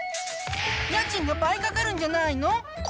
家賃が倍かかるんじゃないの？